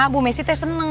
bu messi teh seneng